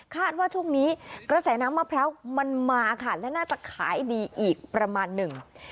ว่าช่วงนี้กระแสน้ำมะพร้าวมันมาค่ะและน่าจะขายดีอีกประมาณหนึ่ง